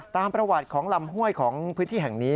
ตามประวัติของลำห้วยของพื้นที่แห่งนี้